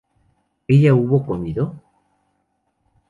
¿ella hubo comido?